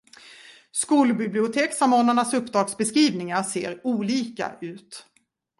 Skolbibliotekssamordnarnas uppdragsbeskrivningar ser olika ut.